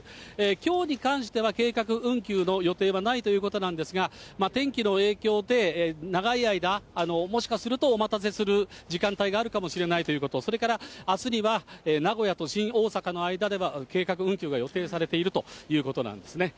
きょうに関しては計画運休の予定はないということなんですが、天気の影響で、長い間、もしかするとお待たせする時間帯があるかもしれないということ、それからあすには名古屋と新大阪の間では、計画運休が予定されているということなんですね。